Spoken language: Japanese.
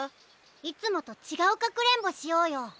いつもとちがうかくれんぼしようよ！